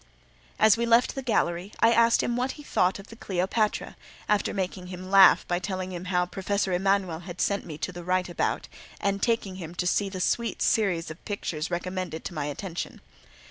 As we left the gallery, I asked him what he thought of the Cleopatra (after making him laugh by telling him how Professor Emanuel had sent me to the right about, and taking him to see the sweet series of pictures recommended to my attention.)